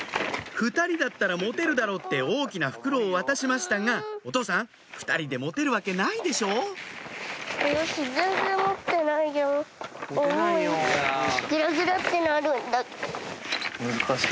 ２人だったら持てるだろうって大きな袋を渡しましたがお父さん２人で持てるわけないでしょ重い。